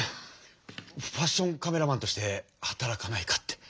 ファッションカメラマンとして働かないかって。